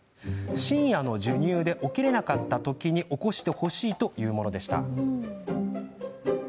深夜の授乳で起きれなかった時に起こしてほしいというものでした。